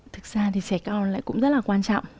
thực ra thì trẻ con lại cũng rất là quan trọng